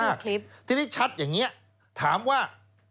มันชัดมากทีนี้ชัดอย่างนี้ถามว่า